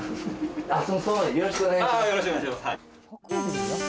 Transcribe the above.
ああよろしくお願いします